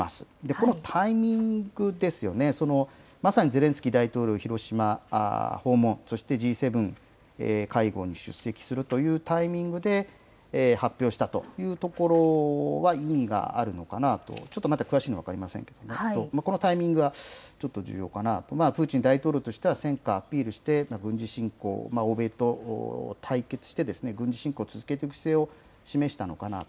このタイミングですよね、まさにゼレンスキー大統領、広島訪問、そしてＧ７会合に出席するというタイミングで発表したというところは意義があるのかなと、ちょっとまだ詳しいことは分かりませんけれども、このタイミングはちょっと重要かなと、プーチン大統領としては、戦果をアピールして、軍事侵攻、欧米と対決して、軍事侵攻を続ける姿勢を示したのかなと。